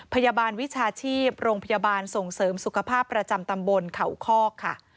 พยาบาลวิชาชีพโรงพยาบาลส่งเสริมสุขภาพประจำตำบลเขาคอกค่ะ